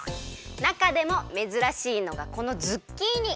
なかでもめずらしいのがこのズッキーニ！